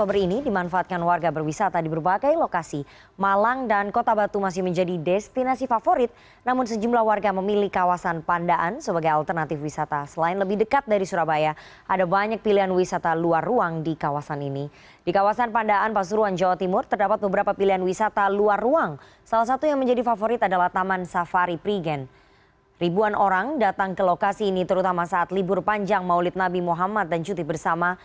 ribuan orang datang ke lokasi ini terutama saat libur panjang maulid nabi muhammad dan cuti bersama